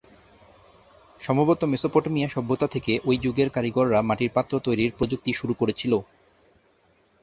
সম্ভবত মেসোপটেমীয় সভ্যতা থেকে ঐ যুগের কারিগররা মাটির পাত্র তৈরির প্রযুক্তি শুরু করেছিল।